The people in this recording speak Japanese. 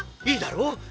いいだろう？